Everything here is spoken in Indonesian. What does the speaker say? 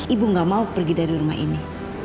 ibu gak mau pergi dari rumah ini